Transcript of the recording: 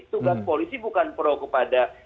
tugas polisi bukan pro kepada yang salah